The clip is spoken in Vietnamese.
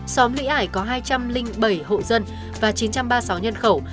xóm mỹ ải có hai trăm linh bảy hộ dân và chín trăm ba mươi sáu nhân khẩu